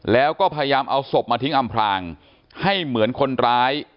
แล้วก็พยายามเอาศพมาทิ้งอำพลางให้เหมือนคนร้าย